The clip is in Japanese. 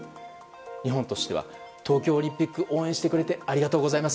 日本としては東京オリンピックを応援してくれてありがとうございます。